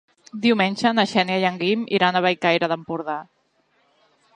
Diumenge na Xènia i en Guim iran a Bellcaire d'Empordà.